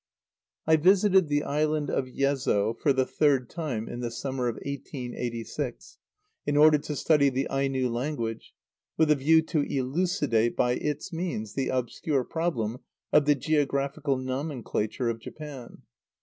_ I visited the island of Yezo for the third time in the summer of 1886, in order to study the Aino language, with a view to elucidate by its means the obscure problem of the geographical nomenclature of Japan.